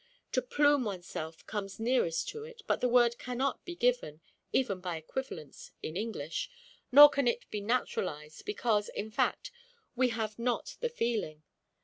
To plume oneself comes nearest to it; but the word cannot be given, even by equivalents, in English; nor can it be naturalised, because, in fact, we have not the feeling.